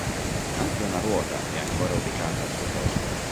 Anche una "ruota" è ancora ubicata al suo posto.